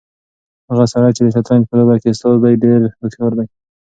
هغه سړی چې د شطرنج په لوبه کې استاد دی ډېر هوښیار دی.